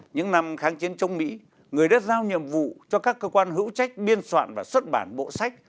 những năm kháng chiến chống mỹ người đã giao nhiệm vụ cho các cơ quan hữu trách biên soạn và xuất bản bộ sách